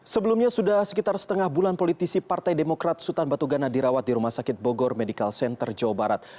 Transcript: sebelumnya sudah sekitar setengah bulan politisi partai demokrat sultan batu gana dirawat di rumah sakit bogor medical center jawa barat